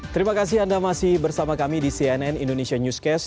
terima kasih anda masih bersama kami di cnn indonesia newscast